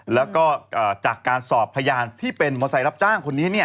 แล้วก็อ่าจากการสอบพยานที่เป็นมอสัยรับจ้างคนนี้เนี่ย